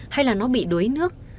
hay là nó bị đuối nước